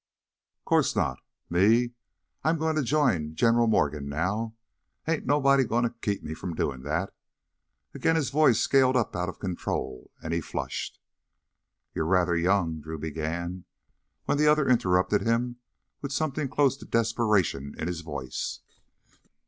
"'Course not! Me, I'm goin' to join General Morgan now. Ain't nobody goin' to keep me from doin' that!" Again his voice scaled up out of control, and he flushed. "You're rather young " Drew began, when the other interrupted him with something close to desperation in his voice.